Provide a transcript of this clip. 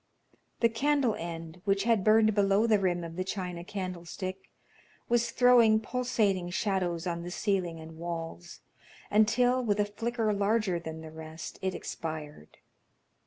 The candle end, which had burned below the rim of the china candlestick, was throwing pulsating shadows on the ceiling and walls, until, with a flicker larger than the rest, it expired.